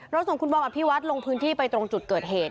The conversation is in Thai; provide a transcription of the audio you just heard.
เราส่งคุณบอลกับพี่วัดลงพื้นที่ไปตรงจุดเกิดเหตุ